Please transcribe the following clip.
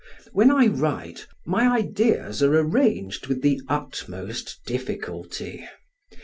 When I write, my ideas are arranged with the utmost difficulty.